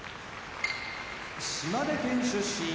島根県出身